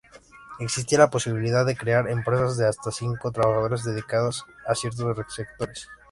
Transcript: Existía la posibilidad de crear empresas de hasta cinco trabajadores, dedicadas a ciertos sectores.